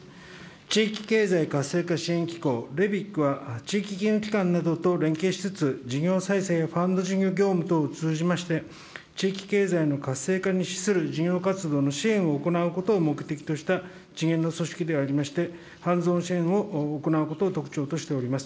地域経済活性化支援機構・ＲＥＶＩＣは、地域金融機関などと連携しつつ、事業再生やファンド事業等を通じまして、地域経済の活性化に資する事業活動の支援を行うことを目的とした一連の組織でありまして、支援を行うことを特徴としております。